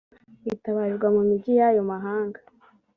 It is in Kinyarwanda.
itabarirwa mu migi y’ayo mahanga.